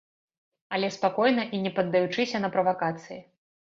Але спакойна і не паддаючыся на правакацыі.